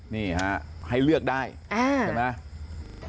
นี่ฮะให้เลือกได้ใช่ไหม